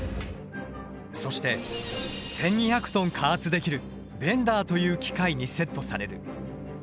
そして１２００ｔ加圧できるベンダーという機械にセットされる。